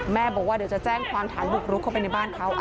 บอกว่าเดี๋ยวจะแจ้งความฐานบุกรุกเข้าไปในบ้านเขา